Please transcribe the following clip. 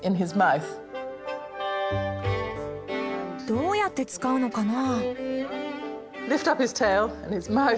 どうやって使うのかな？